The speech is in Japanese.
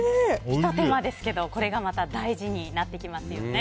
ひと手間ですけどこれがまた大事になってきますよね。